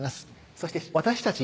そして私たち